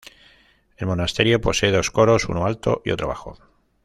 El monasterio posee dos coros, uno alto y otro bajo.